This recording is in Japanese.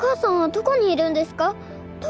どこにいるんですか？